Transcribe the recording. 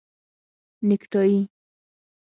👔 نیکټایې